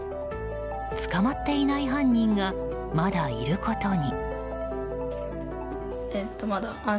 捕まっていない犯人がまだいることに。